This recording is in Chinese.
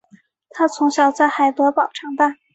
他从小在海德堡长大。